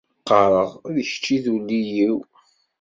Qqareɣ: "D kečč i d Illu-iw."